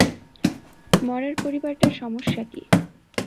মরার পরিবারটার সমস্যা কী?